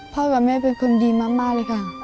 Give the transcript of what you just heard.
กับแม่เป็นคนดีมากเลยค่ะ